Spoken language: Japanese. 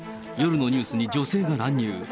夜のニュースに女性が乱入。